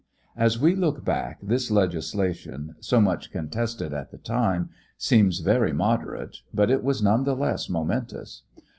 As we look back, this legislation, so much contested at the time, seems very moderate, but it was none the less momentous.